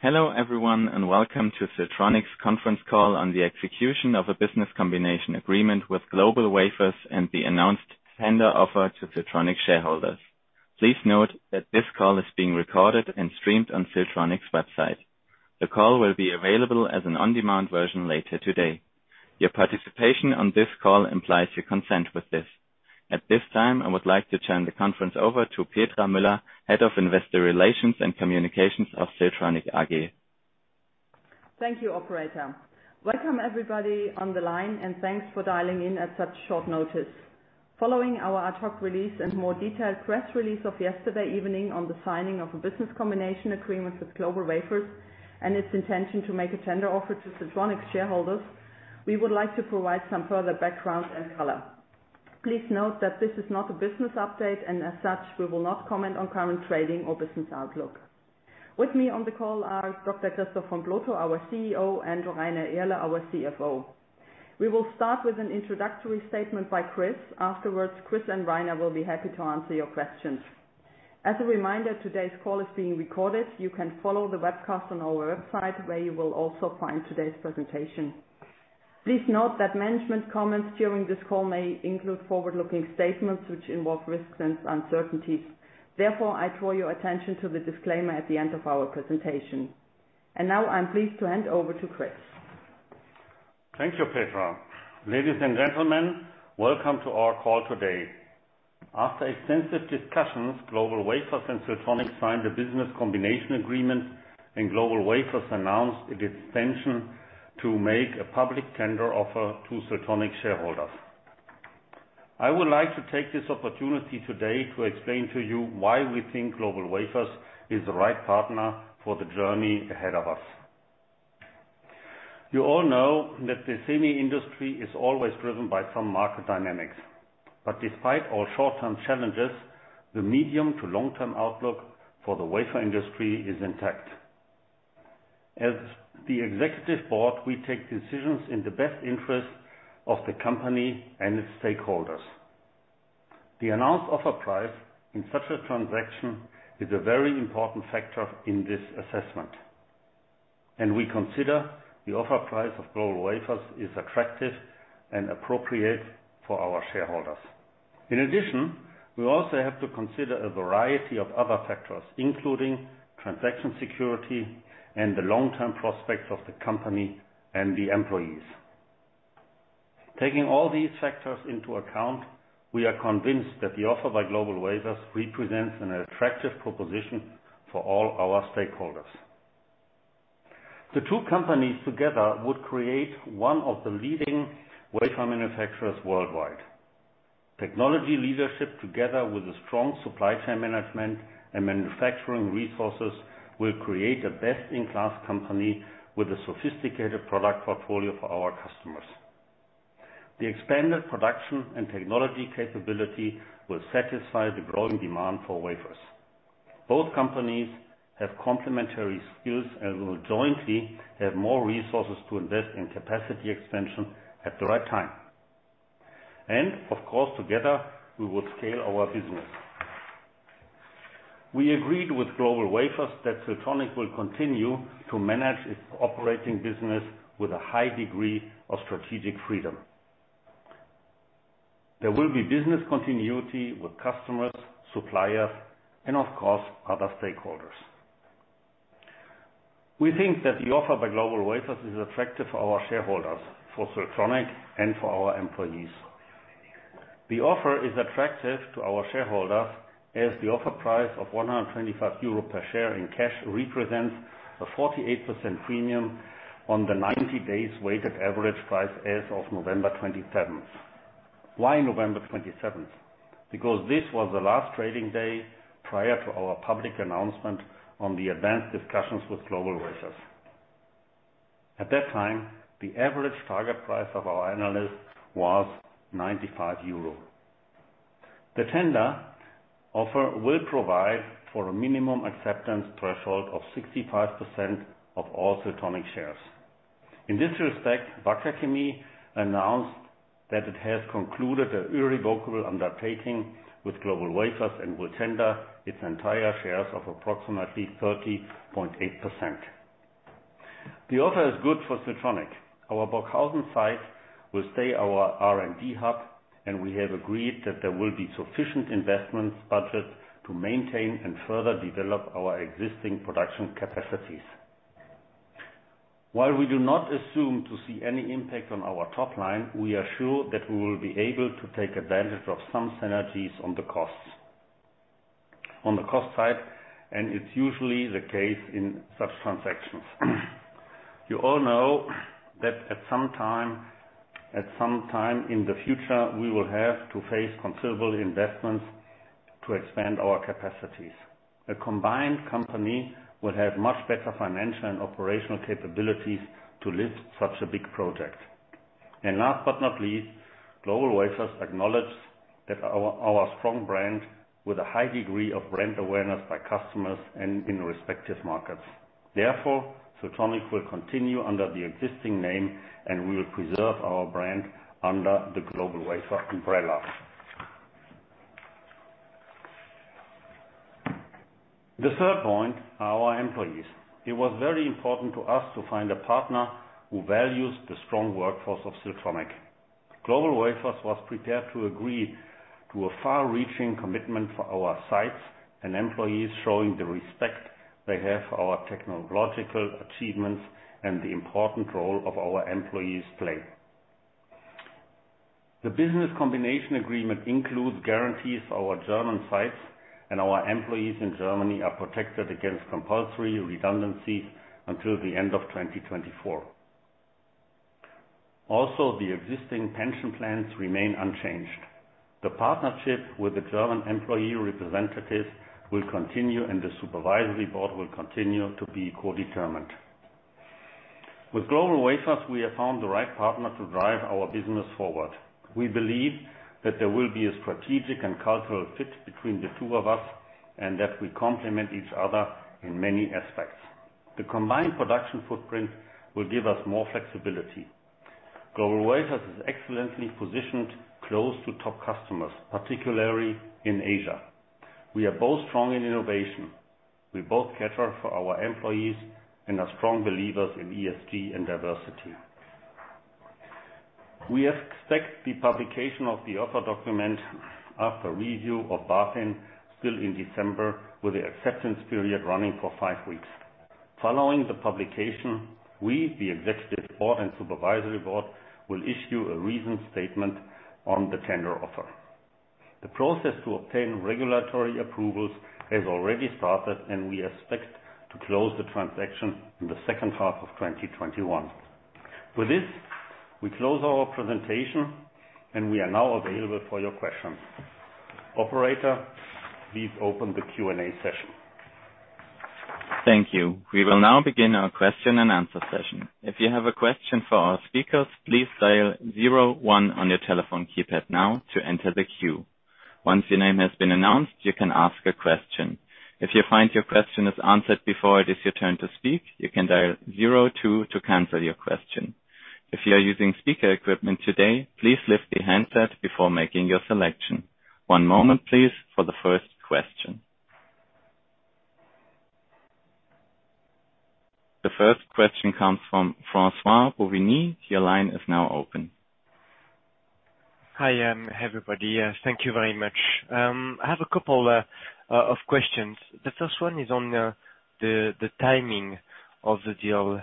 Hello everyone and welcome to Siltronic's conference call on the execution of a business combination agreement with GlobalWafers and the announced tender offer to Siltronic shareholders. Please note that this call is being recorded and streamed on Siltronic's website. The call will be available as an on-demand version later today. Your participation on this call implies your consent with this. At this time, I would like to turn the conference over to Petra Müller, Head of Investor Relations and Communications of Siltronic AG. Thank you, Operator. Welcome everybody on the line and thanks for dialing in at such short notice. Following our ad hoc release and more detailed press release of yesterday evening on the signing of a business combination agreement with GlobalWafers and its intention to make a tender offer to Siltronic's shareholders, we would like to provide some further background and color. Please note that this is not a business update and as such we will not comment on current trading or business outlook. With me on the call are Dr. Christoph von Plotho, our CEO, and Rainer Irle, our CFO. We will start with an introductory statement by Chris. Afterwards, Chris and Rainer will be happy to answer your questions. As a reminder, today's call is being recorded. You can follow the webcast on our website where you will also find today's presentation. Please note that management comments during this call may include forward-looking statements which involve risks and uncertainties. Therefore, I draw your attention to the disclaimer at the end of our presentation, and now I'm pleased to hand over to Chris. Thank you, Petra. Ladies and gentlemen, welcome to our call today. After extensive discussions, GlobalWafers and Siltronic signed the business combination agreement and GlobalWafers announced its intention to make a public tender offer to Siltronic's shareholders. I would like to take this opportunity today to explain to you why we think GlobalWafers is the right partner for the journey ahead of us. You all know that the semi-industry is always driven by some market dynamics, but despite all short-term challenges, the medium to long-term outlook for the wafer industry is intact. As the executive board, we take decisions in the best interest of the company and its stakeholders. The announced offer price in such a transaction is a very important factor in this assessment, and we consider the offer price of GlobalWafers is attractive and appropriate for our shareholders. In addition, we also have to consider a variety of other factors, including transaction security and the long-term prospects of the company and the employees. Taking all these factors into account, we are convinced that the offer by GlobalWafers represents an attractive proposition for all our stakeholders. The two companies together would create one of the leading wafer manufacturers worldwide. Technology leadership, together with strong supply chain management and manufacturing resources, will create a best-in-class company with a sophisticated product portfolio for our customers. The expanded production and technology capability will satisfy the growing demand for wafers. Both companies have complementary skills and will jointly have more resources to invest in capacity expansion at the right time. And of course, together, we will scale our business. We agreed with GlobalWafers that Siltronic will continue to manage its operating business with a high degree of strategic freedom. There will be business continuity with customers, suppliers, and of course, other stakeholders. We think that the offer by GlobalWafers is attractive for our shareholders, for Siltronic, and for our employees. The offer is attractive to our shareholders as the offer price of 125 euro per share in cash represents a 48% premium on the 90-day weighted average price as of November 27th. Why November 27th? Because this was the last trading day prior to our public announcement on the advanced discussions with GlobalWafers. At that time, the average target price of our analysts was 95 euro. The tender offer will provide for a minimum acceptance threshold of 65% of all Siltronic shares. In this respect, Wacker Chemie announced that it has concluded an irrevocable undertaking with GlobalWafers and will tender its entire shares of approximately 30.8%. The offer is good for Siltronic. Our Burghausen site will stay our R&D hub, and we have agreed that there will be sufficient investment budgets to maintain and further develop our existing production capacities. While we do not assume to see any impact on our top line, we are sure that we will be able to take advantage of some synergies on the cost side, and it's usually the case in such transactions. You all know that at some time in the future, we will have to face considerable investments to expand our capacities. A combined company will have much better financial and operational capabilities to lift such a big project, and last but not least, GlobalWafers acknowledges that our strong brand with a high degree of brand awareness by customers and in respective markets. Therefore, Siltronic will continue under the existing name, and we will preserve our brand under the GlobalWafers umbrella. The third point, our employees. It was very important to us to find a partner who values the strong workforce of Siltronic. GlobalWafers was prepared to agree to a far-reaching commitment for our sites and employees, showing the respect they have for our technological achievements and the important role our employees play. The business combination agreement includes guarantees for our German sites, and our employees in Germany are protected against compulsory redundancies until the end of 2024. Also, the existing pension plans remain unchanged. The partnership with the German employee representatives will continue, and the supervisory board will continue to be co-determined. With GlobalWafers, we have found the right partner to drive our business forward. We believe that there will be a strategic and cultural fit between the two of us and that we complement each other in many aspects. The combined production footprint will give us more flexibility. GlobalWafers is excellently positioned close to top customers, particularly in Asia. We are both strong in innovation. We both cater for our employees and are strong believers in ESG and diversity. We expect the publication of the offer document after review of BaFin still in December, with the acceptance period running for five weeks. Following the publication, we, the executive board and supervisory board, will issue a reasoned statement on the tender offer. The process to obtain regulatory approvals has already started, and we expect to close the transaction in the second half of 2021. With this, we close our presentation, and we are now available for your questions. Operator, please open the Q&A session. Thank you. We will now begin our question and answer session. If you have a question for our speakers, please dial zero one on your telephone keypad now to enter the queue. Once your name has been announced, you can ask a question. If you find your question is answered before it is your turn to speak, you can dial zero two to cancel your question. If you are using speaker equipment today, please lift the handset before making your selection. One moment, please, for the first question. The first question comes from François Bouvignies. Your line is now open. Hi, everybody. Thank you very much. I have a couple of questions. The first one is on the timing of the deal.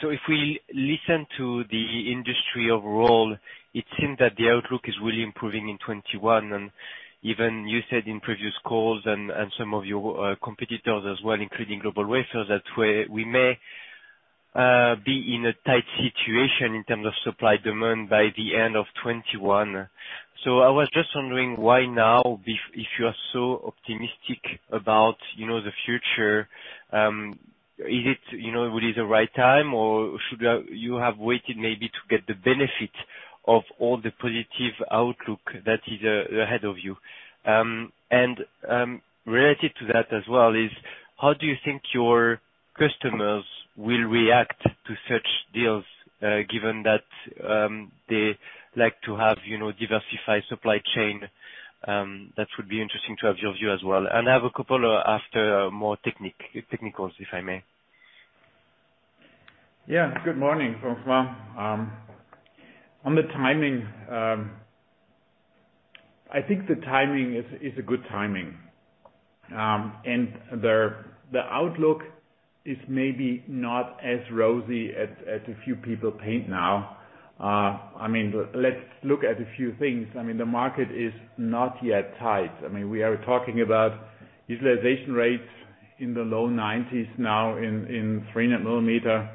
So if we listen to the industry overall, it seems that the outlook is really improving in 2021. And even you said in previous calls and some of your competitors as well, including GlobalWafers, that we may be in a tight situation in terms of supply demand by the end of 2021. So I was just wondering why now, if you are so optimistic about the future, is it really the right time, or should you have waited maybe to get the benefit of all the positive outlook that is ahead of you? And related to that as well is, how do you think your customers will react to such deals, given that they like to have diversified supply chain? That would be interesting to have your view as well, and I have a couple of more technicals, if I may. Yeah. Good morning, François. On the timing, I think the timing is a good timing, and the outlook is maybe not as rosy as a few people paint now. I mean, let's look at a few things. I mean, the market is not yet tight. I mean, we are talking about utilization rates in the low 90s now in 300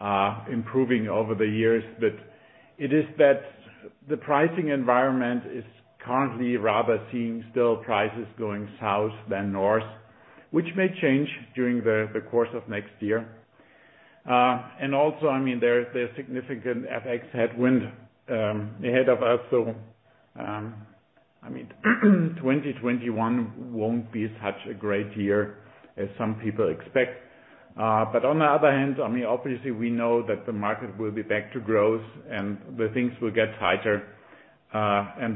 mm, improving over the years. But it is that the pricing environment is currently rather seeing still prices going south than north, which may change during the course of next year, and also, I mean, there's significant FX headwind ahead of us, so I mean, 2021 won't be such a great year as some people expect. But on the other hand, I mean, obviously, we know that the market will be back to growth and the things will get tighter.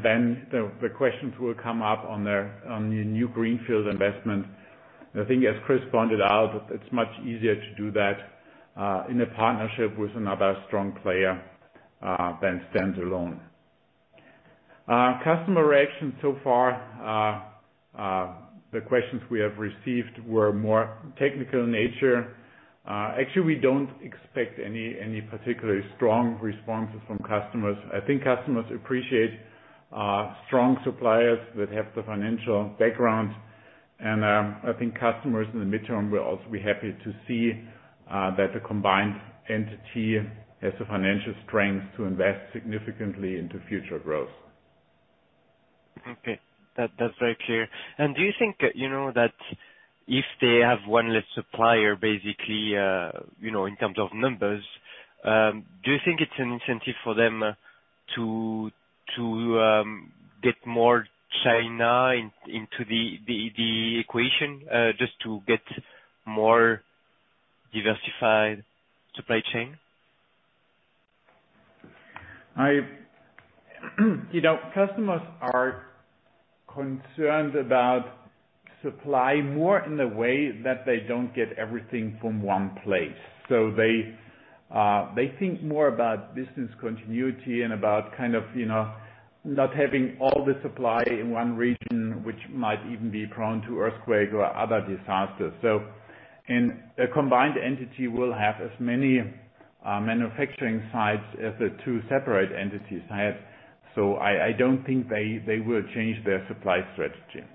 Then the questions will come up on the new greenfield investment. I think, as Chris pointed out, it's much easier to do that in a partnership with another strong player than stand alone. Customer reactions so far, the questions we have received were more technical in nature. Actually, we don't expect any particularly strong responses from customers. I think customers appreciate strong suppliers that have the financial background. I think customers in the midterm will also be happy to see that the combined entity has the financial strength to invest significantly into future growth. Okay. That's very clear, and do you think that if they have one less supplier, basically in terms of numbers, do you think it's an incentive for them to get more China into the equation just to get more diversified supply chain? Customers are concerned about supply more in the way that they don't get everything from one place. So they think more about business continuity and about kind of not having all the supply in one region, which might even be prone to earthquake or other disasters. So a combined entity will have as many manufacturing sites as the two separate entities had. So I don't think they will change their supply strategy.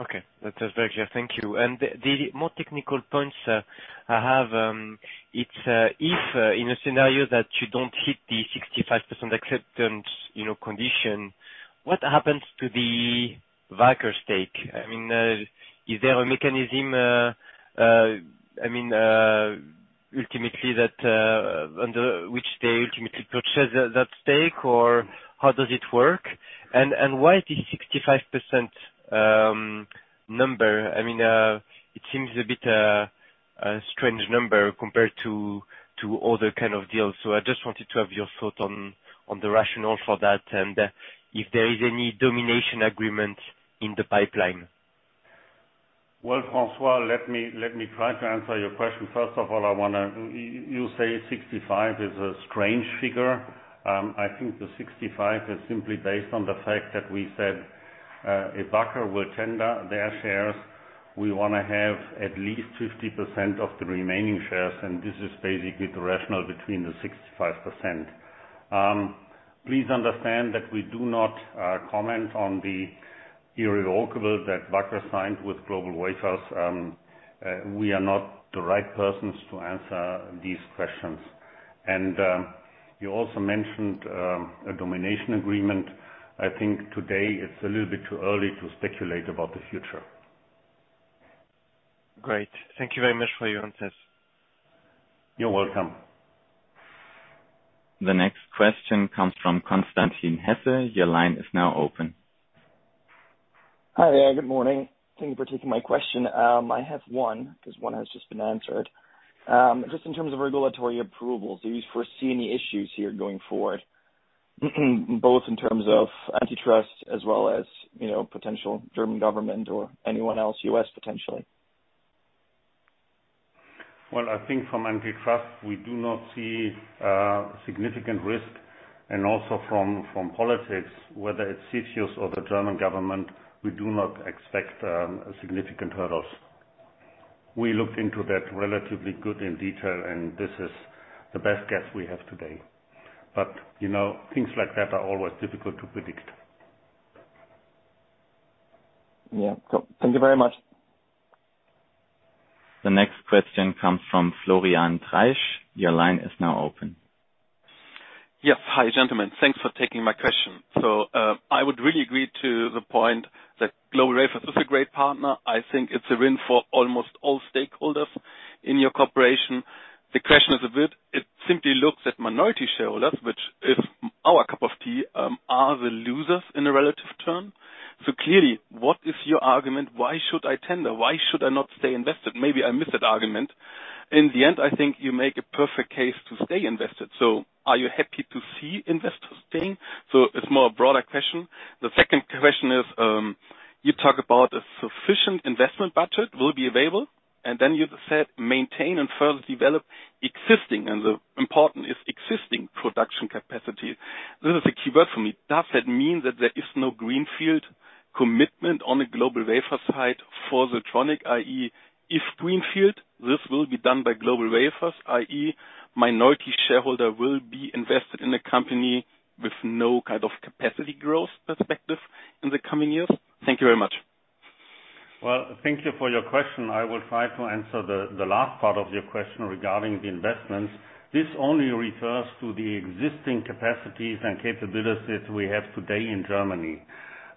Okay. That's very clear. Thank you. And the more technical points I have, it's if in a scenario that you don't hit the 65% acceptance condition, what happens to the Wacker stake? I mean, is there a mechanism, I mean, ultimately that under which they ultimately purchase that stake, or how does it work? And why the 65% number? I mean, it seems a bit of a strange number compared to other kinds of deals. So I just wanted to have your thought on the rationale for that and if there is any domination agreement in the pipeline. Well, François, let me try to answer your question. First of all, I want to say 65% is a strange figure. I think the 65% is simply based on the fact that we said if Wacker will tender their shares, we want to have at least 50% of the remaining shares. And this is basically the rationale between the 65%. Please understand that we do not comment on the irrevocable that Wacker signed with GlobalWafers. We are not the right persons to answer these questions. And you also mentioned a domination agreement. I think today it's a little bit too early to speculate about the future. Great. Thank you very much for your answers. You're welcome. The next question comes from Constantin Hesse. Your line is now open. Hi, there. Good morning. Thank you for taking my question. I have one because one has just been answered. Just in terms of regulatory approvals, do you foresee any issues here going forward, both in terms of antitrust as well as potential German government or anyone else, U.S. potentially? I think from antitrust, we do not see significant risk. Also from politics, whether it's CFIUS or the German government, we do not expect significant hurdles. We looked into that relatively good in detail, and this is the best guess we have today. Things like that are always difficult to predict. Yeah. Thank you very much. The next question comes from Florian Treisch. Your line is now open. Yes. Hi, gentlemen. Thanks for taking my question. So I would really agree to the point that GlobalWafers is a great partner. I think it's a win for almost all stakeholders in your corporation. The question is a bit. It simply looks at minority shareholders, which is our cup of tea, are the losers in a relative term. So clearly, what is your argument? Why should I tender? Why should I not stay invested? Maybe I missed that argument. In the end, I think you make a perfect case to stay invested. So are you happy to see investors staying? So it's more a broader question. The second question is you talk about a sufficient investment budget will be available, and then you said maintain and further develop existing, and the important is existing production capacity. This is a key word for me. Does that mean that there is no greenfield commitment on the GlobalWafers side for Siltronic, i.e., if greenfield, this will be done by GlobalWafers, i.e., minority shareholder will be invested in a company with no kind of capacity growth perspective in the coming years? Thank you very much. Thank you for your question. I will try to answer the last part of your question regarding the investments. This only refers to the existing capacities and capabilities we have today in Germany.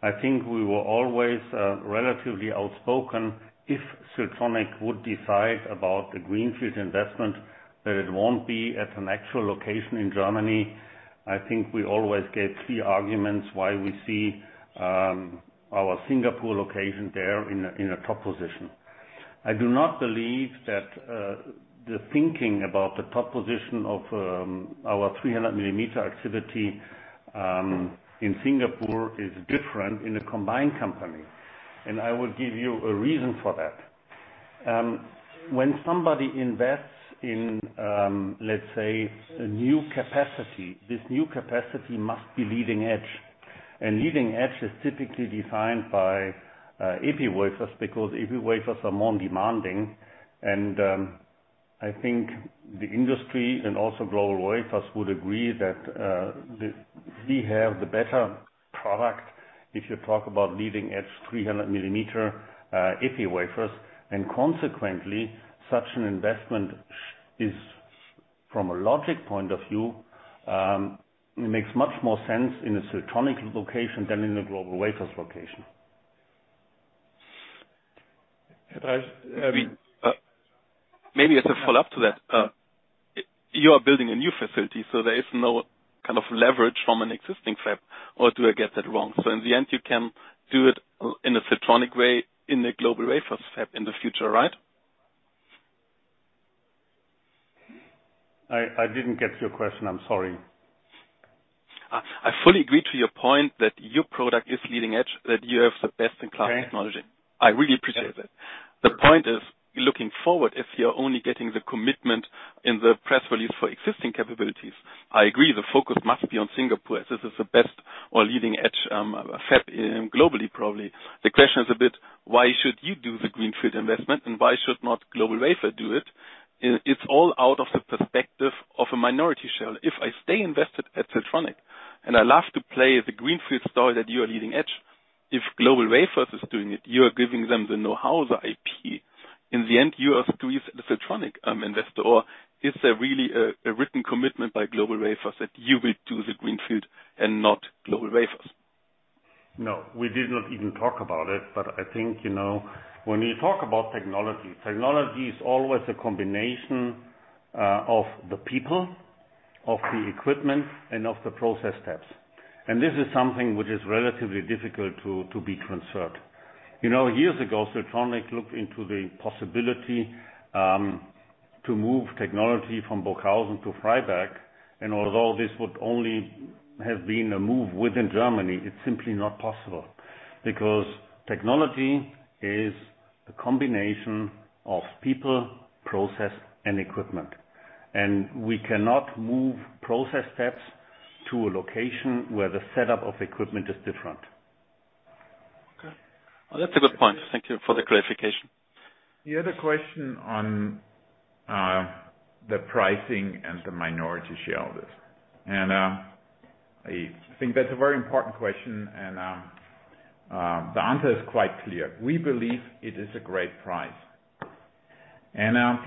I think we were always relatively outspoken if Siltronic would decide about the greenfield investment that it won't be at an actual location in Germany. I think we always gave key arguments why we see our Singapore location there in a top position. I do not believe that the thinking about the top position of our 300 mm activity in Singapore is different in a combined company. I will give you a reason for that. When somebody invests in, let's say, a new capacity, this new capacity must be leading edge. Leading edge is typically defined by Epi wafers because Epi wafers are more demanding. I think the industry and also GlobalWafers would agree that we have the better product if you talk about leading edge 300 mm Epi wafers. Consequently, such an investment is, from a logical point of view, it makes much more sense in a Siltronic location than in a GlobalWafers location. Maybe as a follow-up to that, you are building a new facility, so there is no kind of leverage from an existing fab, or do I get that wrong? So in the end, you can do it in a Siltronic way in the GlobalWafers fab in the future, right? I didn't get your question. I'm sorry. I fully agree to your point that your product is leading edge, that you have the best-in-class technology. I really appreciate that. The point is, looking forward, if you're only getting the commitment in the press release for existing capabilities, I agree the focus must be on Singapore as this is the best or leading edge fab globally, probably. The question is a bit, why should you do the greenfield investment, and why should not GlobalWafers do it? It's all out of the perspective of a minority share. If I stay invested at Siltronic, and I love to play the greenfield story that you are leading edge, if GlobalWafers is doing it, you are giving them the know-how, the IP. In the end, you are squeezed at Siltronic investor, or is there really a written commitment by GlobalWafers that you will do the greenfield and not GlobalWafers? No. We did not even talk about it, but I think when you talk about technology, technology is always a combination of the people, of the equipment, and of the process steps. And this is something which is relatively difficult to be transferred. Years ago, Siltronic looked into the possibility to move technology from Burghausen to Freiberg. And although this would only have been a move within Germany, it's simply not possible because technology is a combination of people, process, and equipment. And we cannot move process steps to a location where the setup of equipment is different. Okay. Well, that's a good point. Thank you for the clarification. The other question on the pricing and the minority shareholders. I think that's a very important question, and the answer is quite clear. We believe it is a great price.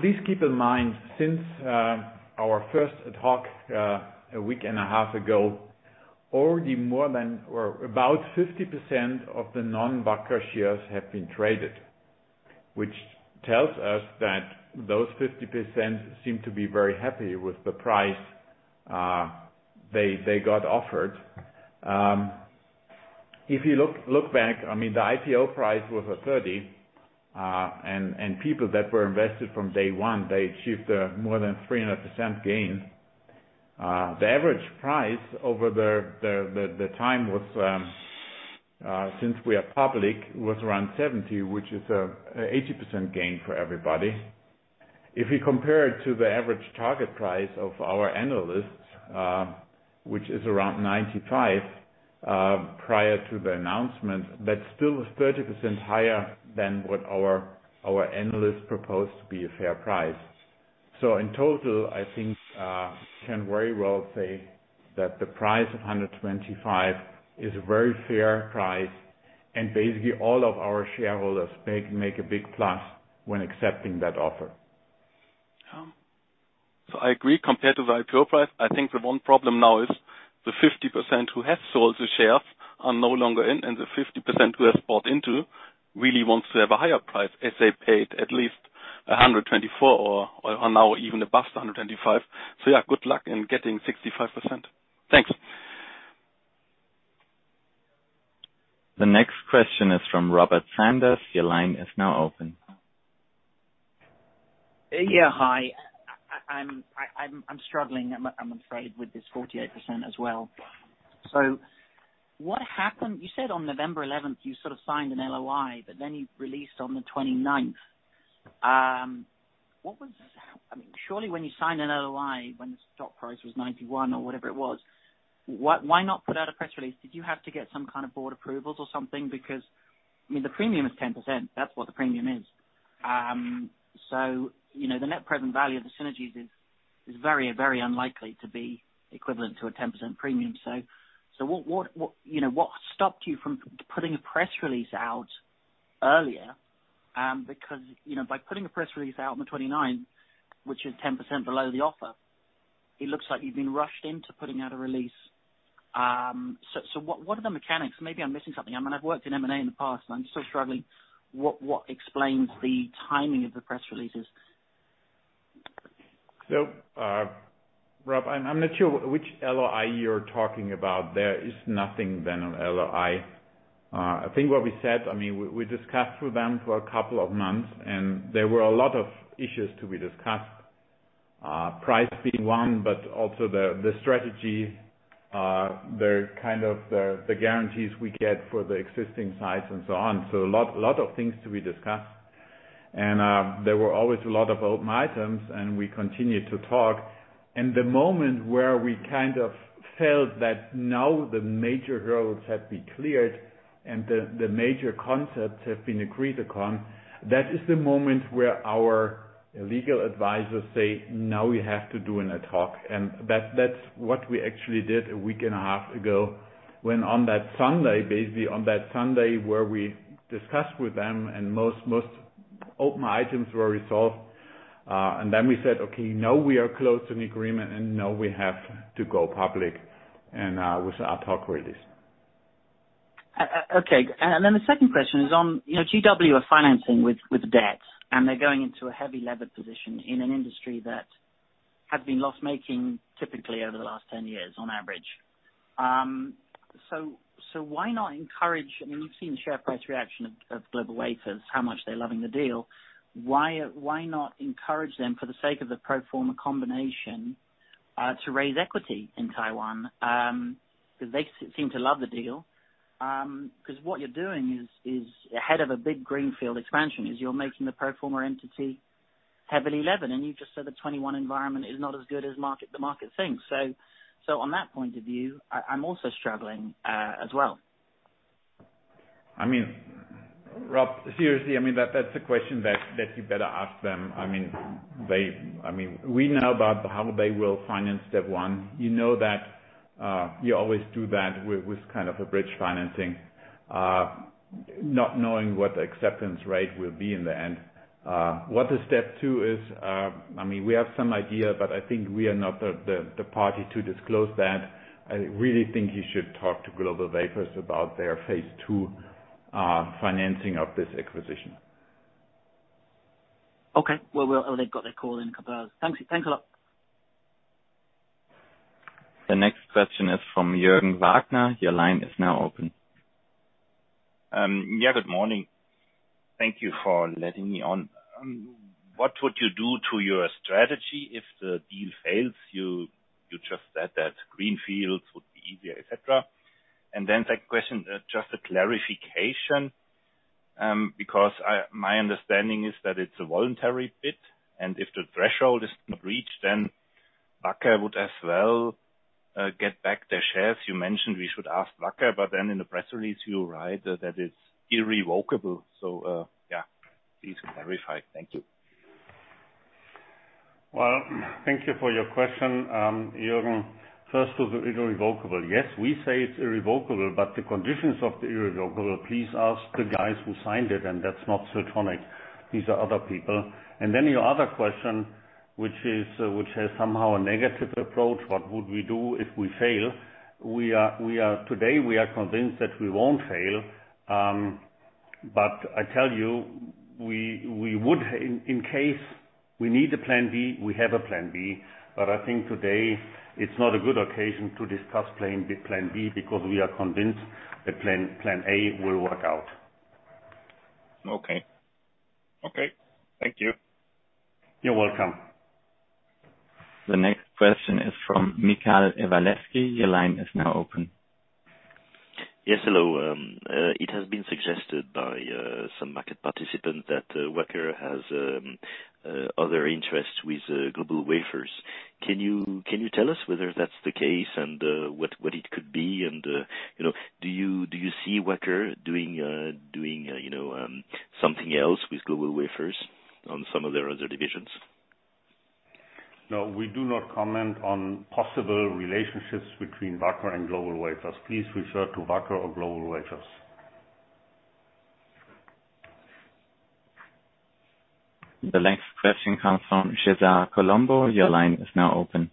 Please keep in mind, since our first talk a week and a half ago, already more than or about 50% of the non-Wacker shares have been traded, which tells us that those 50% seem to be very happy with the price they got offered. If you look back, I mean, the IPO price was 30, and people that were invested from day one, they achieved more than 300% gain. The average price over the time was, since we are public, was around 70, which is an 80% gain for everybody. If we compare it to the average target price of our analysts, which is around 95 prior to the announcement, that's still 30% higher than what our analysts proposed to be a fair price. So in total, I think we can very well say that the price of 125 is a very fair price, and basically all of our shareholders make a big plus when accepting that offer. So I agree compared to the IPO price. I think the one problem now is the 50% who have sold the shares are no longer in, and the 50% who have bought into really wants to have a higher price as they paid at least 124 or now even above 125. So yeah, good luck in getting 65%. Thanks. The next question is from Robert Sanders. Your line is now open. Yeah. Hi. I'm struggling. I'm afraid with this 48% as well. So what happened? You said on November 11th, you sort of signed an LOI, but then you released on the 29th. I mean, surely when you signed an LOI, when the stock price was 91 or whatever it was, why not put out a press release? Did you have to get some kind of board approvals or something? Because, I mean, the premium is 10%. That's what the premium is. So the net present value of the synergies is very, very unlikely to be equivalent to a 10% premium. So what stopped you from putting a press release out earlier? Because by putting a press release out on the 29th, which is 10% below the offer, it looks like you've been rushed into putting out a release. So what are the mechanics? Maybe I'm missing something. I mean, I've worked in M&A in the past, and I'm still struggling. What explains the timing of the press releases? So Rob, I'm not sure which LOI you're talking about. There is nothing more than an LOI. I think what we said, I mean, we discussed with them for a couple of months, and there were a lot of issues to be discussed. Price being one, but also the strategy, the kind of the guarantees we get for the existing sites and so on. So a lot of things to be discussed. And there were always a lot of open items, and we continued to talk. The moment where we kind of felt that now the major hurdles had been cleared and the major concepts have been agreed upon, that is the moment where our legal advisors say, "Now we have to do a TOB." That's what we actually did a week and a half ago when on that Sunday, basically on that Sunday where we discussed with them and most open items were resolved. Then we said, "Okay, now we are closing the agreement, and now we have to go public with our TOB release. Okay. And then the second question is on GW's financing with debt, and they're going into a heavily levered position in an industry that has been loss-making typically over the last 10 years on average. So why not encourage? I mean, you've seen the share price reaction of GlobalWafers, how much they're loving the deal. Why not encourage them for the sake of the pro forma combination to raise equity in Taiwan? Because they seem to love the deal. Because what you're doing, ahead of a big greenfield expansion, is you're making the pro forma entity heavily levered, and you just said the 2021 environment is not as good as the market thinks. So on that point of view, I'm also struggling as well. I mean, Rob, seriously, I mean, that's a question that you better ask them. I mean, we know about how they will finance step one. You know that you always do that with kind of a bridge financing, not knowing what the acceptance rate will be in the end. What the step two is, I mean, we have some idea, but I think we are not the party to disclose that. I really think you should talk to GlobalWafers about their Phase 2 financing of this acquisition. Okay. Well, they've got their call in a couple of hours. Thanks a lot. The next question is from Jürgen Wagner. Your line is now open. Yeah. Good morning. Thank you for letting me on. What would you do to your strategy if the deal fails? You just said that greenfields would be easier, etc. And then second question, just a clarification, because my understanding is that it's a voluntary bid. And if the threshold is not reached, then Wacker would as well get back their shares. You mentioned we should ask Wacker, but then in the press release, you write that it's irrevocable. So yeah, please clarify. Thank you. Thank you for your question, Jürgen. First, it's irrevocable. Yes, we say it's irrevocable, but the conditions of the irrevocable, please ask the guys who signed it, and that's not Siltronic. These are other people. And then your other question, which has somehow a negative approach, what would we do if we fail? Today, we are convinced that we won't fail. But I tell you, in case we need a plan B, we have a plan B. But I think today it's not a good occasion to discuss plan B because we are convinced that plan A will work out. Okay. Okay. Thank you. You're welcome. The next question is from Michael Heck. Your line is now open. Yes. Hello. It has been suggested by some market participants that Wacker has other interests with GlobalWafers. Can you tell us whether that's the case and what it could be? And do you see Wacker doing something else with GlobalWafers on some of their other divisions? No. We do not comment on possible relationships between Wacker and GlobalWafers. Please refer to Wacker or GlobalWafers. The next question comes from Gezan Colombo. Your line is now open.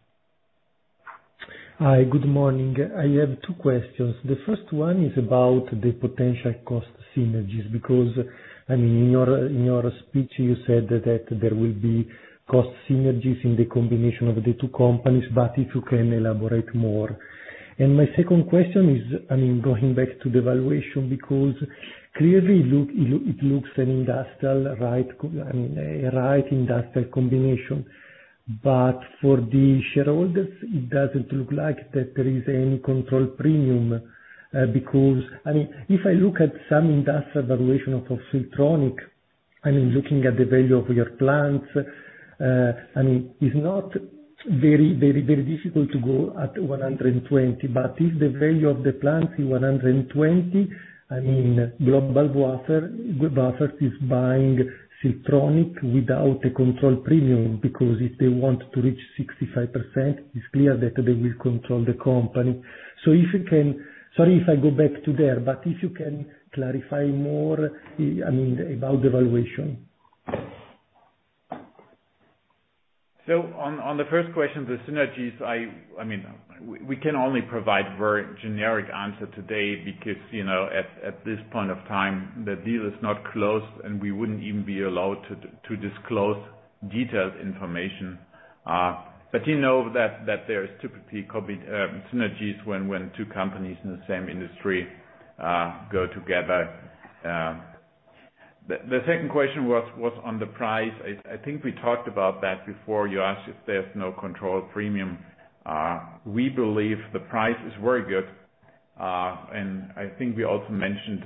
Hi. Good morning. I have two questions. The first one is about the potential cost synergies because, I mean, in your speech, you said that there will be cost synergies in the combination of the two companies, but if you can elaborate more? And my second question is, I mean, going back to the valuation, because clearly it looks like an industrial, right, industrial combination. But for the shareholders, it doesn't look like that there is any control premium because, I mean, if I look at some industrial valuation of Siltronic, I mean, looking at the value of your plants, I mean, it's not very, very, very difficult to go at 120. But if the value of the plant is 120, I mean, GlobalWafers is buying Siltronic without a control premium because if they want to reach 65%, it's clear that they will control the company. So if you can, sorry if I go back to there, but if you can clarify more, I mean, about the valuation. So on the first question, the synergies, I mean, we can only provide a very generic answer today because at this point of time, the deal is not closed, and we wouldn't even be allowed to disclose detailed information. But you know that there are typically synergies when two companies in the same industry go together. The second question was on the price. I think we talked about that before you asked if there's no control premium. We believe the price is very good. And I think we also mentioned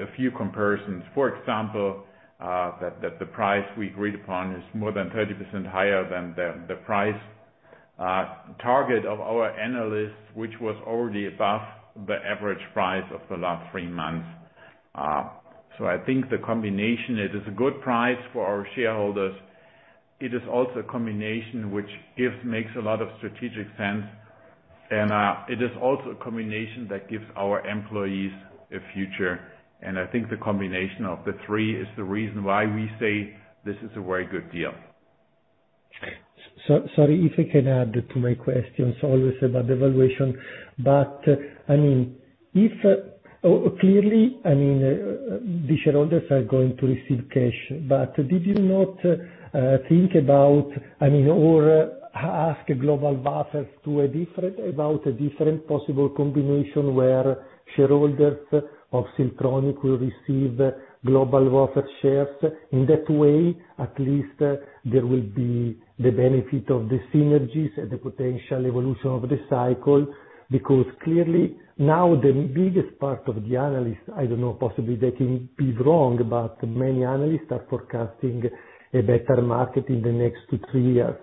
a few comparisons. For example, that the price we agreed upon is more than 30% higher than the price target of our analysts, which was already above the average price of the last three months. So I think the combination, it is a good price for our shareholders. It is also a combination which makes a lot of strategic sense. And it is also a combination that gives our employees a future. And I think the combination of the three is the reason why we say this is a very good deal. Sorry, if I can add to my questions, always about the valuation, but I mean, clearly, I mean, the shareholders are going to receive cash, but did you not think about, I mean, or ask GlobalWafers about a different possible combination where shareholders of Siltronic will receive GlobalWafers shares? In that way, at least there will be the benefit of the synergies and the potential evolution of the cycle, because clearly now the biggest part of the analysts, I don't know, possibly they can be wrong, but many analysts are forecasting a better market in the next two to three years,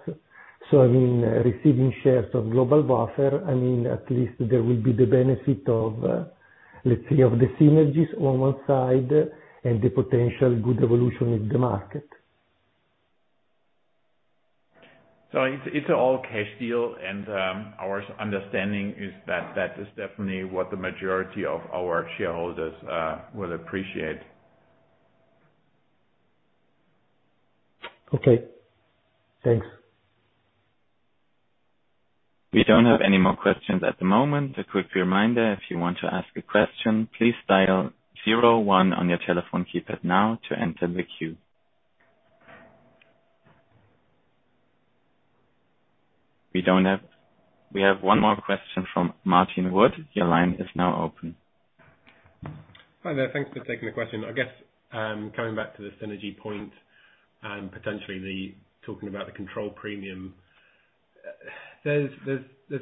so I mean, receiving shares of GlobalWafers, I mean, at least there will be the benefit of, let's say, of the synergies on one side and the potential good evolution in the market. It's an all-cash deal. Our understanding is that that is definitely what the majority of our shareholders will appreciate. Okay. Thanks. We don't have any more questions at the moment. A quick reminder, if you want to ask a question, please dial zero one on your telephone keypad now to enter the queue. We have one more question from Martin Wood. Your line is now open. Hi there. Thanks for taking the question. I guess coming back to the synergy point and potentially talking about the control premium, there's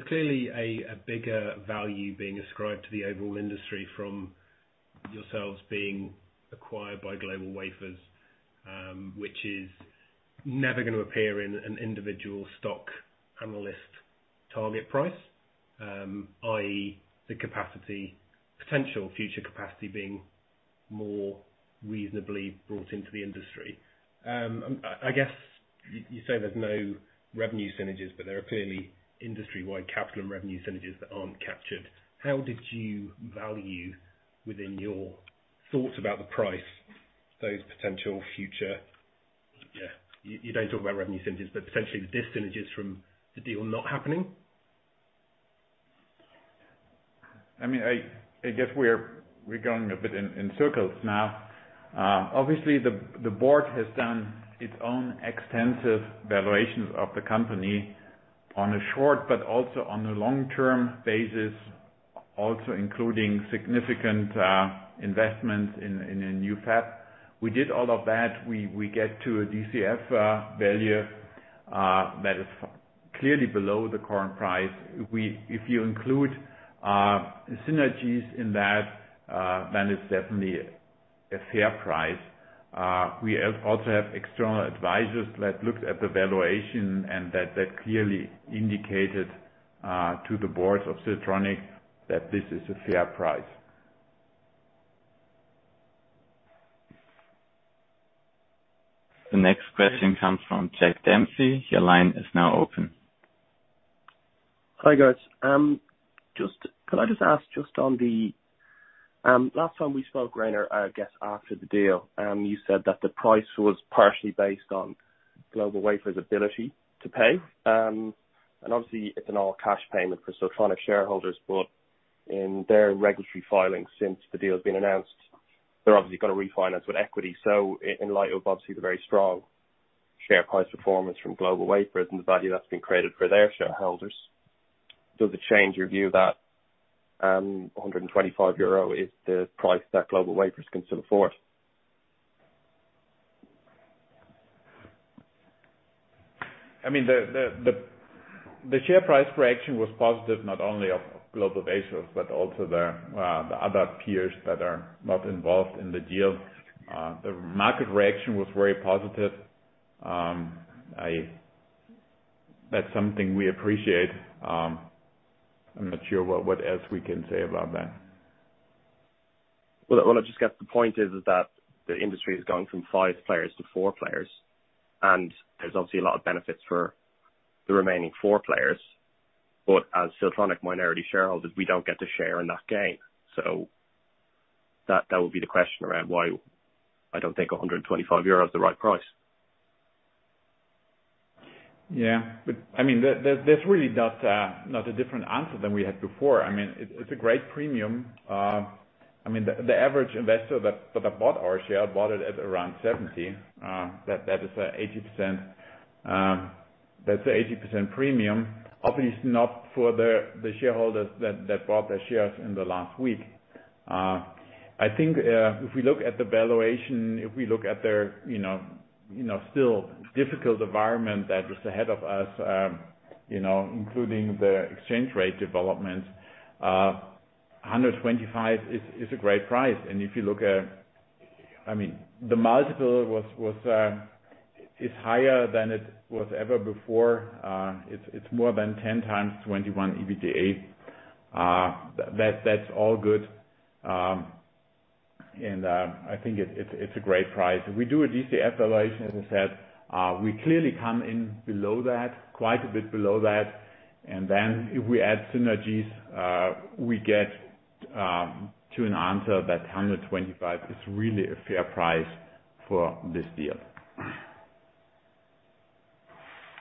clearly a bigger value being ascribed to the overall industry from yourselves being acquired by GlobalWafers, which is never going to appear in an individual stock analyst target price, i.e., the potential future capacity being more reasonably brought into the industry. I guess you say there's no revenue synergies, but there are clearly industry-wide capital and revenue synergies that aren't captured. How did you value within your thoughts about the price those potential future - yeah, you don't talk about revenue synergies, but potentially the disynergies from the deal not happening? I mean, I guess we're going a bit in circles now. Obviously, the board has done its own extensive valuations of the company on a short but also on a long-term basis, also including significant investments in a new fab. We did all of that. We get to a DCF value that is clearly below the current price. If you include synergies in that, then it's definitely a fair price. We also have external advisors that looked at the valuation, and that clearly indicated to the boards of Siltronic that this is a fair price. The next question comes from Jack Dempsey. Your line is now open. Hi guys. Can I just ask on the last time we spoke, Rainer, I guess after the deal, you said that the price was partially based on GlobalWafers' ability to pay. And obviously, it's an all-cash payment for Siltronic shareholders, but in their regulatory filings, since the deal has been announced, they're obviously going to refinance with equity. So in light of obviously the very strong share price performance from GlobalWafers and the value that's been created for their shareholders, does it change your view that 125 euro is the price that GlobalWafers can still afford? I mean, the share price reaction was positive not only of GlobalWafers, but also the other peers that are not involved in the deal. The market reaction was very positive. That's something we appreciate. I'm not sure what else we can say about that. I just guess the point is that the industry is going from five players to four players, and there's obviously a lot of benefits for the remaining four players. But as Siltronic minority shareholders, we don't get to share in that game. So that would be the question around why I don't think 125 euro is the right price. Yeah. I mean, there's really not a different answer than we had before. I mean, it's a great premium. I mean, the average investor that bought our share bought it at around 70. That is an 80%. That's an 80% premium. Obviously, it's not for the shareholders that bought their shares in the last week. I think if we look at the valuation, if we look at their still difficult environment that is ahead of us, including the exchange rate development, 125 is a great price. And if you look at, I mean, the multiple is higher than it was ever before. It's more than 10x 2021 EBITDA. That's all good. And I think it's a great price. We do a DCF valuation, as I said. We clearly come in below that, quite a bit below that. And then if we add synergies, we get to an answer that 125 is really a fair price for this deal.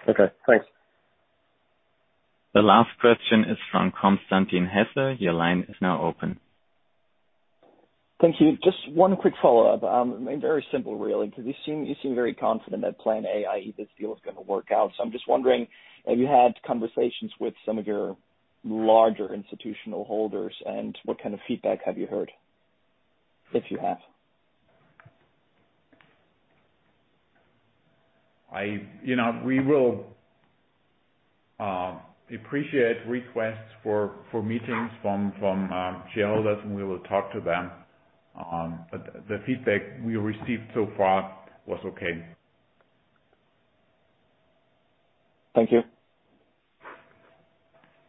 Okay. Thanks. The last question is from Constantin Hesse. Your line is now open. Thank you. Just one quick follow-up. Very simple, really. Because you seem very confident that plan A, i.e., this deal is going to work out. So I'm just wondering, have you had conversations with some of your larger institutional holders, and what kind of feedback have you heard, if you have? We will appreciate requests for meetings from shareholders, and we will talk to them. But the feedback we received so far was okay. Thank you.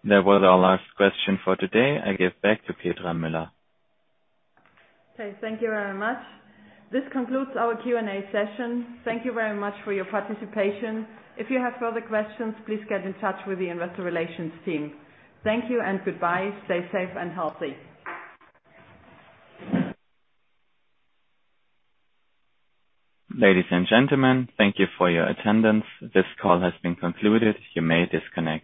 That was our last question for today. I give back to Petra Müller. Okay. Thank you very much. This concludes our Q&A session. Thank you very much for your participation. If you have further questions, please get in touch with the investor relations team. Thank you and goodbye. Stay safe and healthy. Ladies and gentlemen, thank you for your attendance. This call has been concluded. You may disconnect.